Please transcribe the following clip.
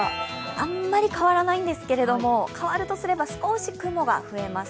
あんまり変わらないんですけれども、変わるとすれば少し雲が増えます。